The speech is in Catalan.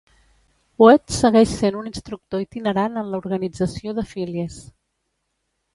Whitt segueix sent un instructor itinerant en la organització de Phillies.